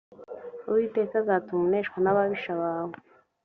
uwiteka azatuma uneshwa n ababisha bawe